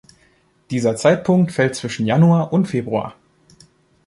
Dieser Zeitpunkt fällt zwischen Januar und Februar.